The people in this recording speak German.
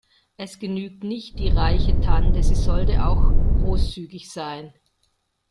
Es genügt nicht die reiche Tante, sie sollte auch großzügig sein.